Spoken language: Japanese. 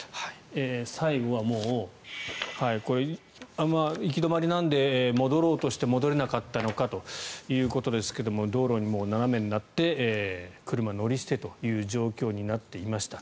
最後は行き止まりなので、戻ろうとして戻れなかったのかということですけども道路に斜めになって車乗り捨てという状況になっていました。